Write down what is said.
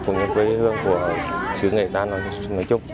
cũng như quê hương của xứ người ta nói chung